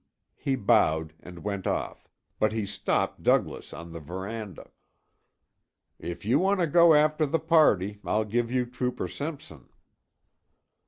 He bowed and went off, but he stopped Douglas on the veranda. "If you want to go after the party, I'll give you trooper Simpson."